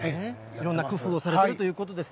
いろんな工夫をされているということです。